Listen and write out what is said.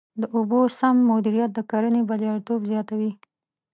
د اوبو سم مدیریت د کرنې بریالیتوب زیاتوي.